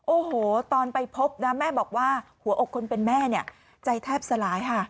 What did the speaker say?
โอ้โหตอนไปพบนะแม่บอกว่าหัวอกคนเป็นแม่เนี่ยใจแทบสลายค่ะ